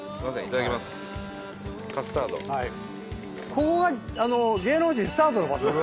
ここが芸能人スタートの場所です。